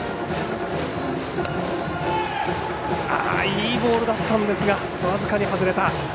いいボールだったんですが僅かに外れた。